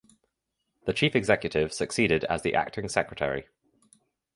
The Chief Executive succeeded as the acting Secretary.